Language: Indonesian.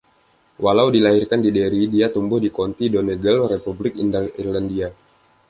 Walau dilahirkan di Derry, dia tumbuh di County Donegal, Republik Irlandia.